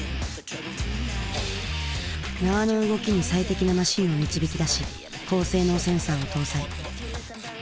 縄の動きに最適なマシンを導き出し高性能センサーを搭載。